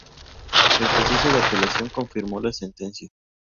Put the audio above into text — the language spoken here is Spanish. El proceso de apelación confirmó la sentencia.